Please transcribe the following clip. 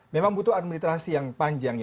memang butuh administrasi yang panjang